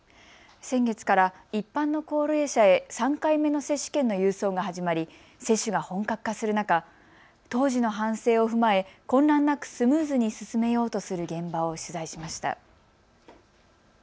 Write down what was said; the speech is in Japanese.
先月から一般の高齢者へ３回目の接種券の郵送が始まり接種が本格化する中、当時の反省を踏まえ、混乱なくスムーズに進めようとする現場を取材しました。